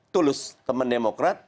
tulus teman demokrat